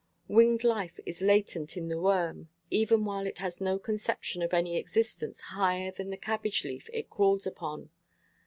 Winged life is latent in the worm, even while it has no conception of any existence higher than the cabbage leaf it crawls upon.